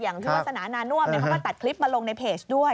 อย่างที่ว่าสนานานวมมันก็ตัดคลิปมาลงในเพจด้วย